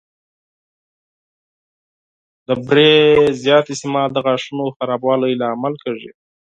د بوري زیات استعمال د غاښونو د خرابوالي لامل کېږي.